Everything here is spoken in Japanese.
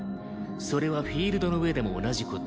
それはフィールドの上でも同じ事。